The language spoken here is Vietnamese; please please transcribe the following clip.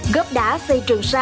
góp đá xây trường sản xuất